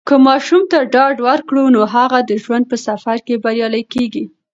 که ماشوم ته ډاډ ورکړو، نو هغه د ژوند په سفر کې بریالی کیږي.